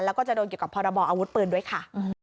แล้วก็จะโดนเกี่ยวกับพรบออาวุธปืนด้วยค่ะ